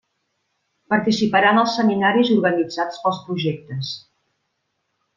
Participarà en els seminaris organitzats pels projectes.